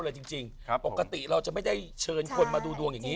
จริงปกติเราจะไม่ได้เชิญคนมาดูดวงอย่างนี้